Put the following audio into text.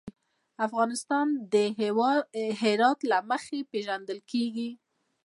افغانستان د هرات له مخې پېژندل کېږي.